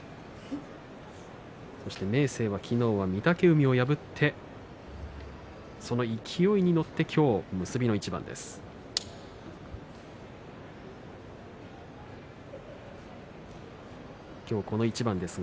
そして明生は昨日御嶽海を破ってその勢いに乗って今日結びの一番です。